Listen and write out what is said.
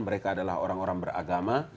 mereka adalah orang orang beragama